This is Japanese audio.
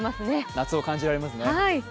夏を感じられますね。